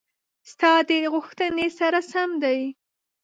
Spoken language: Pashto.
ستا د غوښتنې سره سم دي: